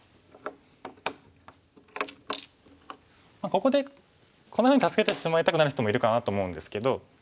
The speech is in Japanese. ここでこんなふうに助けてしまいたくなる人もいるかなと思うんですけど。